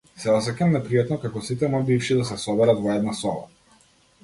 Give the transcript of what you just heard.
Се осеќам непријатно како сите мои бивши да се соберат во една соба.